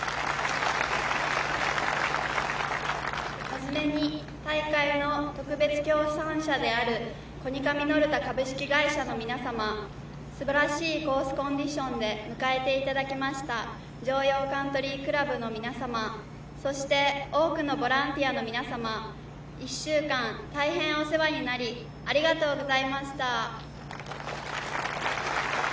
初めに大会の特別協賛社であるコニカミノルタ株式会社の皆様、すばらしいコースコンディションで迎えていただきました、城陽カントリー倶楽部の皆様、そして、多くのボランティアの皆様、１週間、大変お世話になり、ありがとうございました。